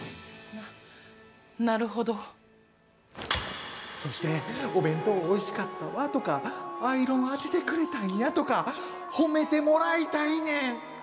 なっ、そして、お弁当おいしかったわとか、アイロン当ててくれたんやとか、褒めてもらいたいねん。